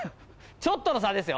ちょっとの差ですよ。